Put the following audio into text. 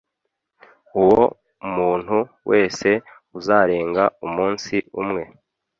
uwo umuntu wese uzarenga umunsi umwe